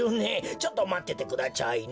ちょっとまっててくだちゃいね。